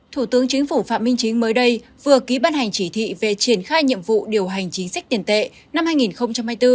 thủ tướng chính phủ phạm minh chính mới đây vừa ký ban hành chỉ thị về triển khai nhiệm vụ điều hành chính sách tiền tệ năm hai nghìn hai mươi bốn